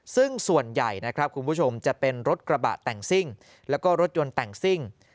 ซึ่งส่วนใหญ่จะเป็นรถกระบะแต่งสิ้งและรถยนต์แต่งสิ้ง